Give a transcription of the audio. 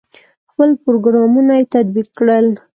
خپل پروګرامونه یې تطبیق کړل.